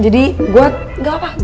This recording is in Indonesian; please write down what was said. jadi gue enggak apa apa